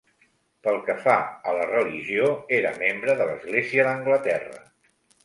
Pel que fa a la religió, era membre de l'Església d'Anglaterra.